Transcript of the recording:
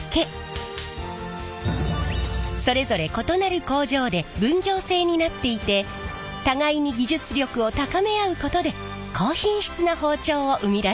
それぞれ異なる工場で分業制になっていて互いに技術力を高め合うことで高品質な包丁を生み出しているんです。